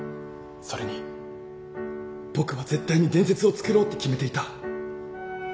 それに僕は絶対に伝説を作ろうって決めていた。